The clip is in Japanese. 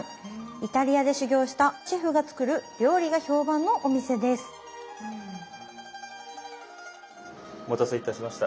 イタリアで修業したシェフが作る料理が評判のお店ですお待たせいたしました。